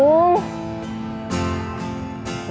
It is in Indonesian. aku juga bingung